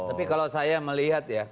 tapi kalau saya melihat ya